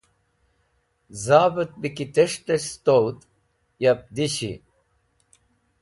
Zavẽt bẽ ki tẽs̃h tes̃h sẽtowd yab dishy.